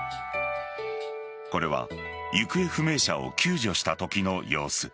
これは行方不明者を救助したときの様子。